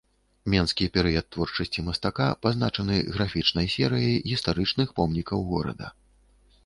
Менскі перыяд творчасці мастака пазначаны графічнай серыяй гістарычных помнікаў горада.